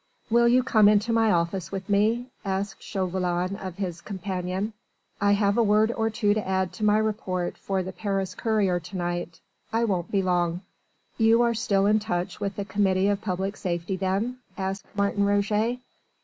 "Will you come into my office with me?" asked Chauvelin of his companion; "I have a word or two to add to my report for the Paris courier to night. I won't be long." "You are still in touch with the Committee of Public Safety then?" asked Martin Roget.